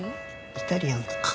イタリアンとか。